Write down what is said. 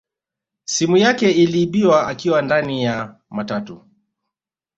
Simu yake iliibiwa akiwa ndani ya matatu